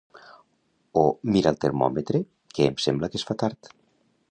O «mira el termòmetre, que em sembla que es fa tard».